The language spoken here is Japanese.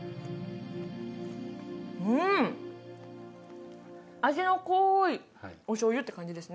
うん味の濃いお醤油って感じですね